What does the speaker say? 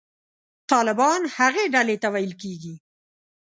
طالبان هغې ډلې ته ویل کېږي.